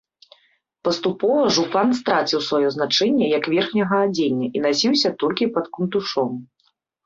Паступова жупан страціў сваё значэнне як верхняга адзення і насіўся толькі пад кунтушом.